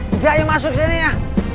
udah ayo masuk ini ya